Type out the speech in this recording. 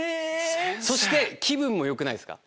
そして気分もよくないですか？